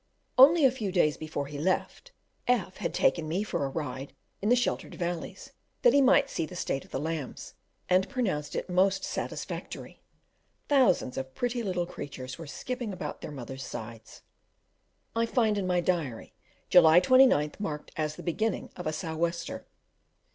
Only a few days before he left, F had taken me for a ride in the sheltered valleys, that he might see the state of the lambs, and pronounced it most satisfactory; thousands of the pretty little creatures were skipping about by their mothers' side. I find, by my Diary, July 29th marked, as the beginning of a "sou' wester."